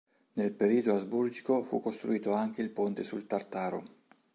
Nel periodo asburgico fu costruito anche il ponte sul Tartaro.